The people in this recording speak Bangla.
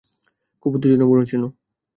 খুব উত্তেজনাপূর্ণ ছিল।